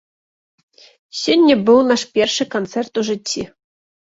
Сёння быў наш першы канцэрт ў жыцці.